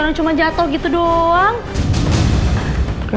orang cuma jatuh gitu doang